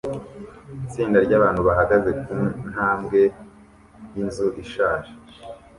Itsinda ryabantu bahagaze kuntambwe yinzu ishaje